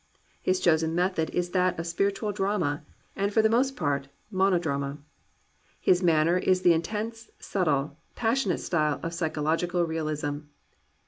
His chosen method is that of spiritual drama, and for the most part, monodrama. His manner is the intense, subtle, passionate style of psychological realism.